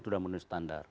sudah menurut standar